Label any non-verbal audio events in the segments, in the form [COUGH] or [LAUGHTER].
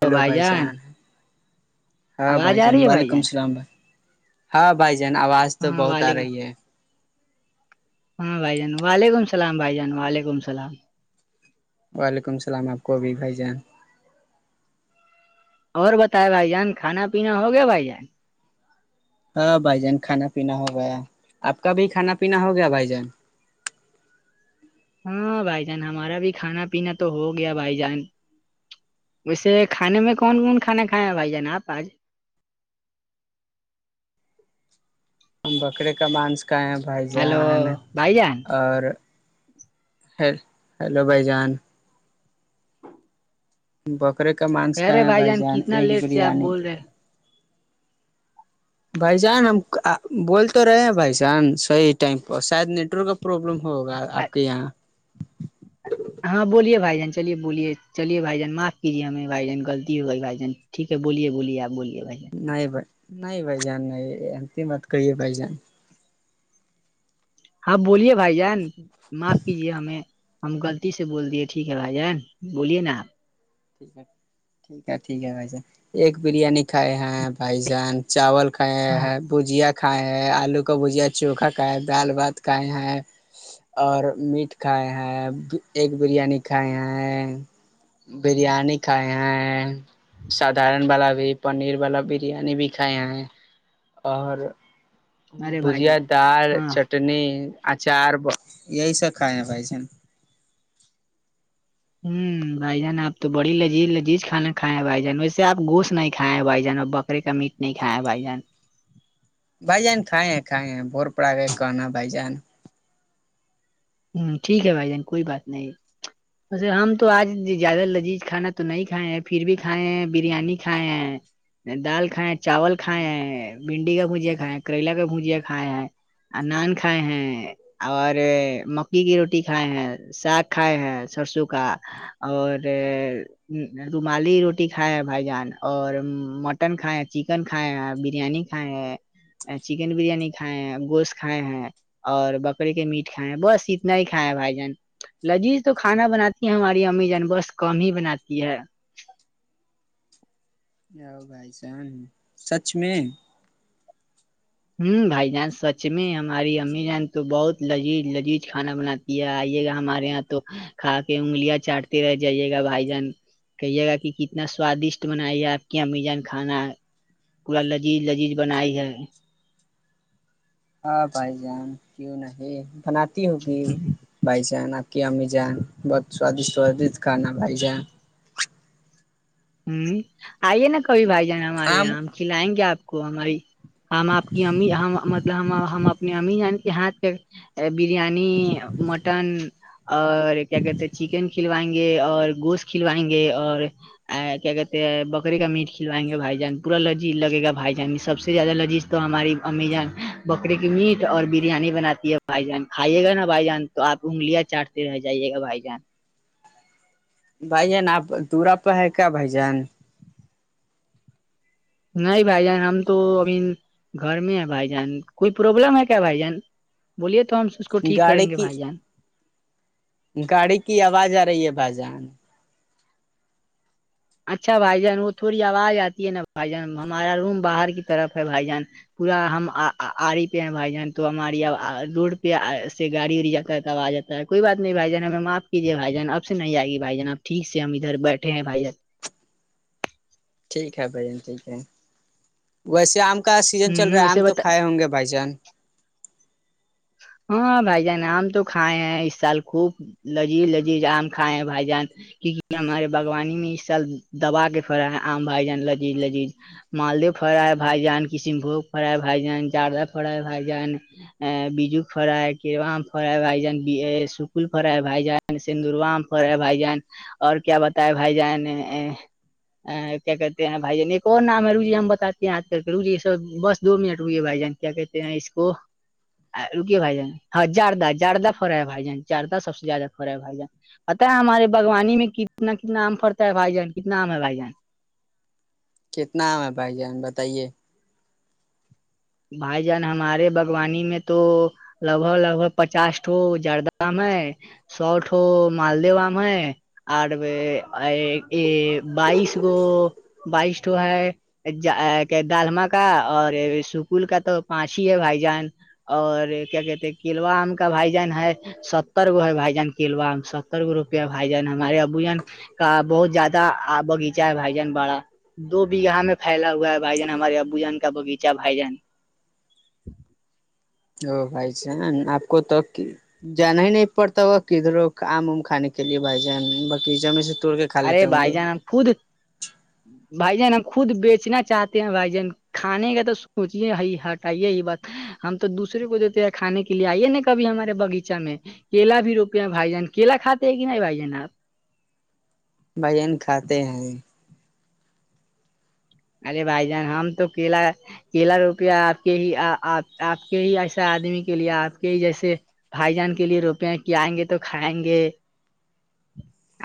hello بھائی جان ہیں ہاں آواز بھائی آ جان رہی ہے وعلیکم السلام بھائی ہاں بھائی جان آواز تو ہاں بہت آ وعلیکم رہی ہے ہاں بھائی جان وعلیکم السلام بھائی جان وعلیکم السلام وعلیکم السلام آپ کو ابھی بھائی جان اور بتائے بھائی جان کانا پینا ہو گیا بھائی جان ہاں بھائی جان کھانا پینا ہو گیا آپ کا بھی کھانا پینا ہو گیا بھائی جان ہاں بھائی جان ہمارا بھی کھانا پینا تو ہو گیا بھائی جان ویسے کھانے میں کون کون کھانے کھائےیا ہیں بھائی جان آپ آج ہم بکرے کا مانس کایں بھائی ہیلو جان بھائی جان اور ہی ہیلو بھائی جان بکرے کا م کہہ رہے بھائی جان کتنا لیٹ سے آپ بول رہے [INAUDIBLE] بھائی جان ہم بول تو رہے ہیں بھائی جان صحیح ٹائم پر شاید نیٹورک پروابلم ہوگا آپ کے یہاں ہاں بولیے بھائی جان چلیے بولیے چلیے بھائی جان معاف کیجیے ہمیں بھائی جان غطی ہو گئی بھائی جان ٹھیک ہے بولی بلیے آپ بلیے بھائی نہیں ب نہیں بھ جان نہیں انت مات ک ہے بھ جان ہاں بولیے بھائی جان معاف کیجیے ہمیں ہم غلطی سے بول دیے ٹھیک ہے بھج جان بولیے نا آپ ٹھیک ہے ٹھیک ہے ٹھیک ہے بھائی جان ایک بریانی کھائے ہیں بھائی جان چاول کھایایا ہاں ہے بھجیا کھائے ہیں آلو کا بھجیا چوکھا کھاائے ہے دال بھات کھائے ہیں اور میٹ کھائے ہیں ایکگ بریانی کھائے ہیں بریانی کھائے ہیں سدھارن والا بھی پنیر والا بریانی بھی کھاائے ہیں اور ارے بھائی بھجیا جان دال ہاں چٹنی اچار یہی سب کائے ہیں بھائی جن ہوں بھائی جان آپ تو بڑی لذیذ لذیذ کھا کھائے ہیں بھائی جان ویس آپ گوش نہیں کھائے ہیں بھائی جان اب ب بکرے کا میٹ نہیں کھایا بھائی جان بھائی جان کھائے ہیں کھائے ہیں بور پڑا گئے کہناا بھائی جان ہوں ٹھیک ہے بھائی جان کوئی بات نہیں ویسے ہم تو آج زیادہ لذیذ کھانا تو نہیں کھائے ہیں پھر بھی کھائے ہیں بریانی کھائے ہیں دال کھائےیں چاول کھائے ہیں بھنڈی کا بھجیا کھائےیں ہیں کریلا کا بھجیا کھائے ہیں نان کھائے ہیں اور مکی کی روٹی کھائے ہیں ساگ کھائے ہیں سرسوں کا اور رومالی روٹی کھائے ہیں بھائی جان اور مٹن کھائے ہیں چکن کھائے ہیں بریانی کھائے ہیں چکن بریانی کھائے ہیں گوشت کھائے ہیں اور بکرے کے میٹ کھائے ہیں بس اتنا ہی کھائے ہے بھائی جان لجیذ تو کھانا بناتی ہیں ہماری امی جان بس کم ہی بناتی ہے و بھائی سن سچ میں ہوں بھائی جان سچ میں ہماری امی جان تو بہت لذیذ لذیذ کھانا بناتے یہ آئیے گا ہمارے یہاں تو کھا کے انگلیاں چاٹتے رہ جائیے گا بھائی جان کہیے گا کہ کتنا سوادشٹ بنائی گ آپ کی امزان کھانا پورا لذیذ لذیذ بنائی ہے ہاں بھائی جان کیوں نہیں بناتی ہوگی بھائی جان آپ کی امی جان بہت سوادشٹ وادشٹ کھانا بھائی جان ہوں آئیے نا کبھی بھائی جان ہمارے آم یہاں ہم کھلائیں گے آپ کو ہماری ہم آپ کی امی ہم مطلب ہم ہم یہات بریانی مٹن اور کیا کہتے ہیں چکن کھلوائیں گے اور گوشت کھلوائیں گے اور کیا کہتے ہیں بکری کا میٹ کھوائیں گے بھائی جان پوراذیذ لگےا بھائی جان میں سب سے زیادہ لذیذ تو ہماری امی جان بکرے کی میٹ اور بریانی بناتی ہے بھائی جان کھائیے گا نا بھائی جان تو آپ انگلیاں چاٹتے رہ جائیے گا بھائی جان بھائی جان آپ دورا ہے کیا بھائی جان نہیں بھائی جان ہم تو ا گھر میں ہے بھائی جان کوئی پروبلم ہے کیا بھائی جان بولیے تو ہم اس کو ٹھیک گاڑی کریں گے کی بھائی جان گاڑی کی آواز آ رہی ہے بھائی جان اچھا بھائی جان وہ تھوڑی آواز آتی ہے نا بھائی جان ہمارا روم باہر کی طرف ہے بھائی جان پورا ہم آ رہی پہ ہیں بھائی جان تو ہماری روڈ پہ سے گاڑی اڑی جاتا ہے تب آ جاتا کوئی بات نہیں بھائی جان ہمیں معاف کییے بھائی جان اب سے نہیں آئے گیھائی جان اب ٹھیک سے ہم ادھر بیٹھے ہیں بھائی جان ٹھیک ہے بھائی جان ٹھیک ہے ویسے آم کا سیزن چل ہ رہا ہے آم ویسے تو بتا کھائے ہوں گے بھائی جان ہاں بھائی جان آ ہم تو کھائے ہیں اس سال خوب لذیذ لذیذ آم کھائےیں بھائی جان کیونکہ ہمارے باوانی میں اس سال دبا کے پڑا ہے آم بھائی جان لذیذ لذیذ مالدی فرا ہے بھائی جان کشن بوگ فرا ہے بھائی جان جاردہ فرا ہے بھائی جان بجو فر کیام فر ہے بھائی جان سکل فر ہے بھائی جان سندور وام فر بھائی جان اور کیا بتاائے بھائی جان ا کیا کہتے ہیں بائی جن ایک اور نام ہے روجی ہم بتاتے ہیںج کر کے رجی بس دو منٹ رئیئے ہے بائی جان کیا کہتے ہیں اس کو رکے بھائی جان ہاں زیادہ زیادہ فرا ہےھائی جان زیادہ سب سے زیادہ فرا ہے بھائی جان پتا ہے ہمارے باگوانی میں کتنا کتنا آم پرتا ہے بھائی جان کتنا آم ہے بھائی جان کتنا آام ہے بھائی جان بتائیے بھائی جان ہمارے باغوانی میں تو لگ بھگ لگ بھگ پچاسٹو زردہام ہے سوٹ ہو مالدیو آم ہے اور یہ بائیس گو بائشو ہے دالما کا اور اسکول کا تو پانچ ہی ہے بھائی جان اور کیا کہتے کلوا آم کا بھائی جان ہے ستر گو ہے بھائی جان کلوا ستر گو روپے بھائی جان ہمارے ابو جان کا بہت زیادہ باغیچہ ہے بھائی جان باڑا دو بیگھہ میں پھیلا ہوا ہے بھائی جان ہمارے ابو جان کا باغیچہ بھائی جان بھائی سے آپ کو تک کی جانا ہی نہیں پڑتا و کدھرو آم وم کھے کے لیے بھائی جان باقی جمے سے توڑ کے کھا ارے لیتے ہوں بھائی گے جان خود بھائی جان ہم خود بیچنا چاہتے ہیں بھائی جان کھانے کا تو سوچے ہٹائیے ہی بات ہم تو دوسرے کو دیتے ہیں کھانے کے لیے آئیے نا کبھی ہمارے باغیچہ میں کیلا بھی روکے ہیں بھائی جان کیلا کاتے ہیں کہ نہیں بھائی جان آپ بہن کھاتے ہیں ارے بھائی جان ہم تو کیلا کیلا روپیہ آپ کے ہی آپ کے ہی ایسے آدمی کے لیے آپ کے ہی جیسے بھائی جان کے لیے روپے ہیں کہ آئیں گے تو کھائیں گے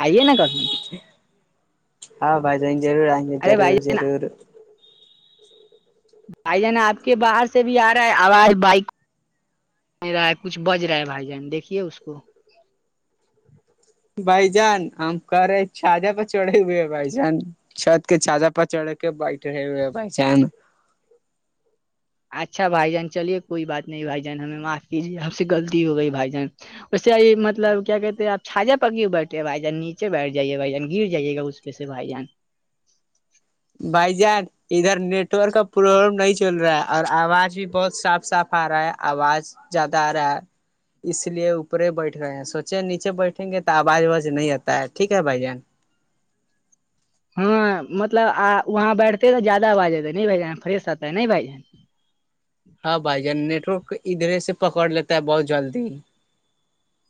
آئیے نا کبھی ہاں بھائی جیں جضور آئیں گے ارے ضرور بھائی جان ضرور بھائی جان آپ کے باہر سے بھی آ رہا ہے آواز بائک نہیں رہا ہے کچھ بج رہا ہے بھائی جان دیکھیے اس کو بائی جان ہم کر رہے چھاادہ پ چڑائی ہوئے ہے بائی جان چھت کے چھ جا پا چڑھے کے بیٹ رہے ہوئے ہیں بھائی اچھا بھائی جان چلیے کوئی بات نہیں بھائی جان ہمیں معاف کیجیے آپ سے غلطی ہو گئی بھائی جان اس سے مطلب کیا کہتے ہیںپ چھاجا پکی بیٹھے بھائی جان نیچے بیٹھ جائیے بھائی جان گر جائیے گا پیس سے بھائی جان بائی جار ادھر نیٹ ورک کا پروبلم نہیں چل رہا ہے اور آواز بھی بہت صاف صاف آ رہا ہے آواز زیادہ آ رہا ہے اس لیے اوپر بیٹھ گئے ہیں سوچے نیچے بیٹھیں گے تو آواز وواز نہیں آتا ہے ٹھیک ہے بھائی جان ہاں مطلب آ وہاں بیٹھتے تو زیادہ نہیں بھ جان فریش رہتا نہیں بھ جان ہاں بھائی جان نیٹ ورک ادھرے سے پکڑ لیتا ہے بہت جلدی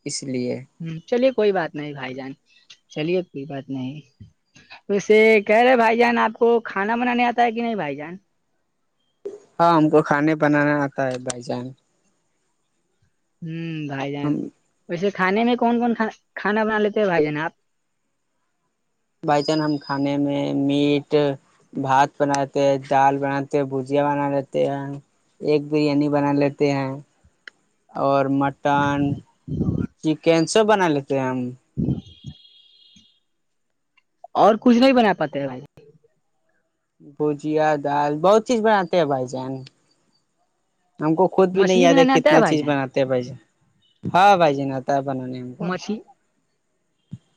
اس لیے ہ چلیے کوئی بات نہیں بھائی جان چلیے کوئی بات نہیں اسے کہہ رہے بھائی جان آپ کو کھانا بنانے آتا ہے کہ نہیں بھائی جان ہاں ہم کو کھانے بنانا آتا ہے بھائی جان ہوں بھائی جان ہم ویسے کھے میں کون کون کھانا بنا لیتے بھائی جان آپ بائی چان ہم کھانے میں میٹ بھات بناتے ہیں دال بناتے ہیں بھجیا بنا لیتے ہیں ایک بریانی بنا لیتے ہیں اور مٹن چکن سب بنا لیتے ہیں ہم ہ اور کچھ نہیں بنا پاتے ہیں بھائی بھجیا دال بہت چیز بناتے ہیں بھائی جان ہم کو خود جان بھی نہیں مچھلی یاد ہے بنانے آتا کتنا بھائی چیز جان بناتے ہیں بھائی ہاں بھائی آتا ہے بنانے ہم کو مچھلی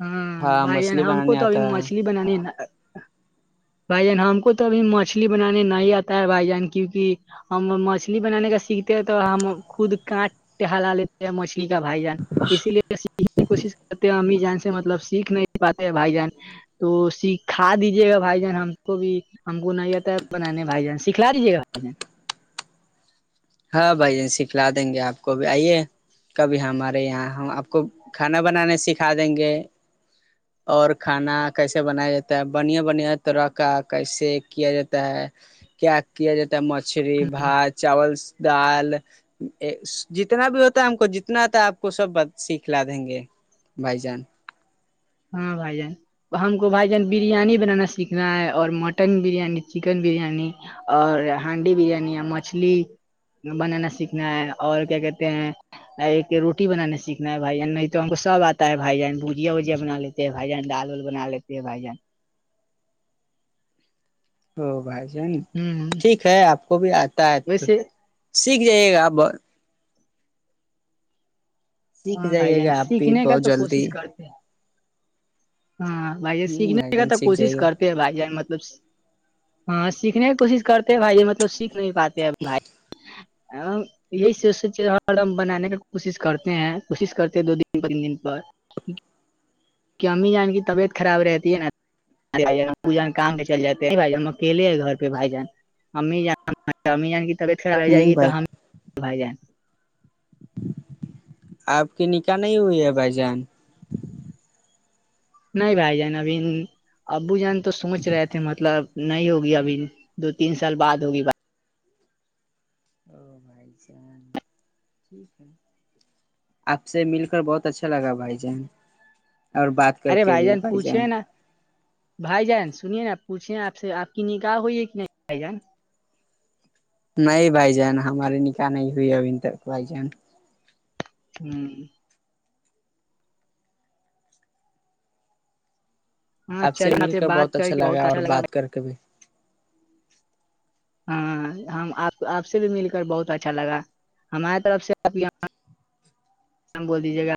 ہاں بھائی مچھلی ہم کو بنانے تو ابھی آتا ہے مچھلی بنانی ہے نا بھائی جان ہم کو تو ابھی مچھلی بنانے نہیں آتا ہے بھائی جان کیوںکہ ہم مچھلی بنانے کا سیکھتے ہیں تو ہم خود کٹ ٹہلا لیتے مچھلی کا بھائی جان اسی لیے یہی کوشش کرتے ہیں امی جان سے مطلب سیکھ نہیں پاتے ہیں بھائی جان تو سیککھا دیجیے گا بھائی جان ہم کو بھی ہم کو نہیں آتا بنانے بائیان سکھلا دیجیے گا بھائی جان ہاں بھائی یہ سکھلا دیں گے آپ کو بھی آئیے کبھی ہمارے یہاں ہم آپ کو کھانا بنانا سکھا دیں گے ج اور کھانا کیسے بنایا جاتا ہے بنیا بنھیا تڑاکا کیسے کیا جاتا ہے کیا کیا جاتا ہے مچھی بات چاول دال جتنا بھی ہوتا ہے ہم کو جتنا آتا ہے آپ کو سب سیکھ ل دیں گے بھائی چان ہاں بائی جان ہم کو بھائی جان بریانی بنانا سیکھنا ہے اور مٹن بریانی چکن بریانی اور ہانڈی بریانی مچھلی بنانا سیکھنا ہے اور کیا کہتے ہیں ایک روٹی بنانا سیکھنا ہے بھائی جان نہیں تو ہم کو سب آتا ہے بھائی جان بوجیا وج بنا لیتے بھائی جان ڈال وول بنا لیتے بھائی جان ا بھائی جان ہ ٹھیک ہے آپ کو بھی آتا ہے تو ویسے سیکھ جائیے گا آپ سیکھ ہاں بھائی جائیے جان گا آپ بھی سیکھنے کا بہت تو کوشش جلدی کرتے ہیں ہاں بھائی ہ بھائی سیکھنے کا جان تو سیکھ کوشش جائیے گا کرتا بھائی مطلب ہاں سیکھنے کی کوشش کرتے ہیں بھائی مطلب سیکھ نہیں پاتے ہیں بھائی یہی سوچ ہر ہم بنانے کی کوشش کرتے ہیں کوشش کرتے ہیں دو دن تین دن پر کہ امی جان کی طبیعت خراب رہتی ہے نا ار بھ پوجا کام میں چل جاتے بھائی ہم اکیے ہیں گھر پہ بھائی جان امی جان امی جان کی طبیعت خراب رہ جائے ہ گی تو بھائی ہم بھائی جائیں آپ کی نکاح نہیں ہوئی ہے بھائی جان نہیں بھائی جان ابھی ابو جان تو سوچ رہے تھے مطلب نہیں ہوگی ابھی دو تین سال بعد ہوگی او بھائی آپ سے مل کر بہت اچھا لگا بھائی جان اور بات کر ارے کے بھی بھائی جان پوچھے نا بھائی جان سنیے نا آپ پوچھے آپ سے آپ کی نکاہح ہوئی ہے کہ نہیں بھائی جان نہیں بھائی جان ہماری نکاح نہیں ہوئی ابھی تک بھائی جان ہوں ہاں آپ سے چلی مل پھر بات کر کے بہت اور اچھا لگا بات کر کے بھی ہاں ہمپ آپ سے بھی مل کر بہت اچھا لگا ہماریے طرف سے آپ یہ بول دیجیے گا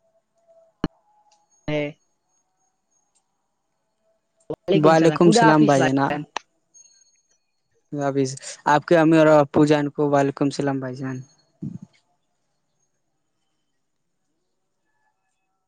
جی وعلیکم السلام بھائی جانا اب آپ کے امی اور اپو جان کو وعلیکم السلام بھائی جان